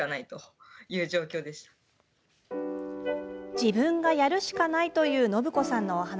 自分がやるしかないというのぶこさんのお話。